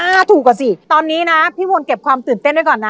ถูกอ่ะสิตอนนี้นะพี่มนต์เก็บความตื่นเต้นไว้ก่อนนะ